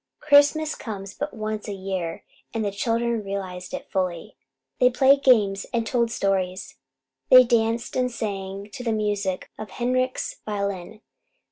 Christmas comes but once a year, and the children realized it fully. They played games and told stories; they danced and sang to the music of Henrik's violin.